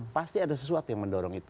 pasti ada sesuatu yang mendorong itu